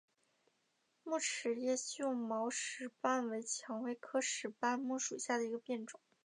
木齿叶锈毛石斑为蔷薇科石斑木属下的一个变种。